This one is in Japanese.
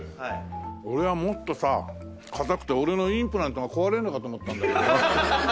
俺はもっとさ硬くて俺のインプラントが壊れるのかと思ったんだけど。